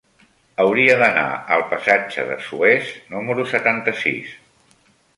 Hauria d'anar al passatge de Suez número setanta-sis.